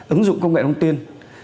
ứng dụng công nghệ thông tin